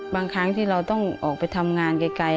ครั้งที่เราต้องออกไปทำงานไกล